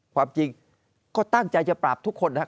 ความจริงก็ตั้งใจจะปราบทุกคนนะครับ